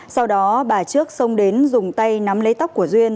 sau đó bà trước xông đến dùng tay nắm lấy tóc của duyên